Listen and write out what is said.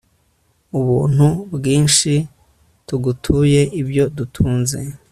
ubuntu bwinshi, tugutuye ibyo dutunze